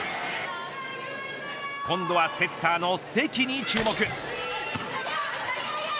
今度はセッターの関に注目。